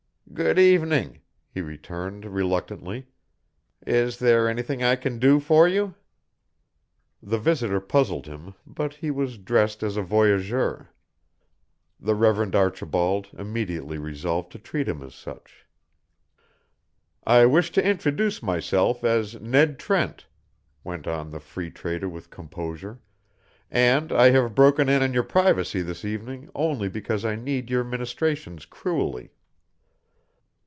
"Good evening," he returned, reluctantly. "Is there anything I can do for you?" The visitor puzzled him, but was dressed as a voyageur. The Reverend Archibald immediately resolved to treat him as such. "I wish to introduce myself as Ned Trent," went on the Free Trader with composure, "and I have broken in on your privacy this evening only because I need your ministrations cruelly."